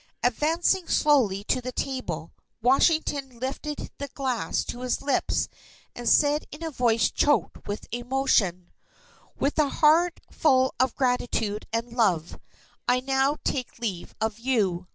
Advancing slowly to the table, Washington lifted the glass to his lips and said in a voice choked with emotion: "With a heart full of gratitude and love, I now take leave of you.